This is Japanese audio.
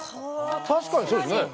確かにそうですね。